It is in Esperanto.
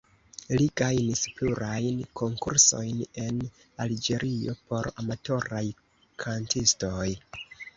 Li gajnis plurajn konkursojn en Alĝerio por amatoraj kantistoj.